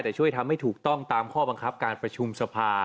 แต่ช่วยทำให้ถูกต้องตามข้อบังคับการประชุมสภา